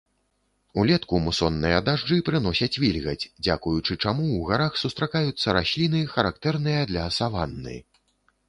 Улетку мусонныя дажджы прыносяць вільгаць, дзякуючы чаму ў гарах сустракаюцца расліны, характэрныя для саванны.